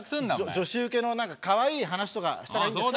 女子ウケのなんか可愛い話とかしたらいいんですか？